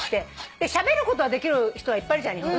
しゃべることはできる人はいっぱいいるじゃない日本語。